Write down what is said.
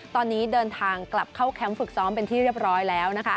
ตอนนี้เดินทางกลับเข้าแคมป์ฝึกซ้อมเป็นที่เรียบร้อยแล้วนะคะ